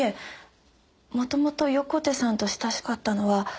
元々横手さんと親しかったのは奏でしたし。